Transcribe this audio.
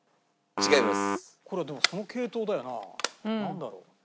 違います。